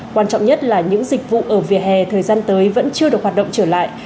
quan trọng nhất là những dịch vụ ở vỉa hè thời gian tới vẫn chưa được hoạt động trở lại